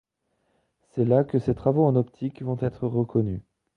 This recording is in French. C'est là que ses travaux en optique vont être reconnus.